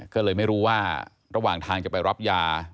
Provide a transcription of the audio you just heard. ก็เลยไม่รู้ว่าระหว่างทางจะไปรับยา